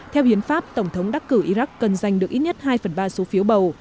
theo hiến pháp tổng thống đắc cử iraq cần giành được ít nhất hai phần ba số phiếu bầu